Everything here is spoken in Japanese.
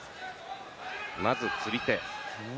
まず釣り手。